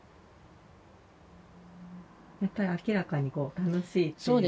やっぱり明らかにこう楽しいっていうことが。